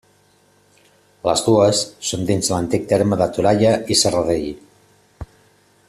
Les dues són dins de l'antic terme de Toralla i Serradell.